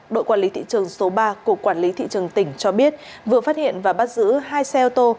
đội quản lý thị trường số ba của quản lý thị trường tỉnh cho biết vừa phát hiện và bắt giữ hai xe ô tô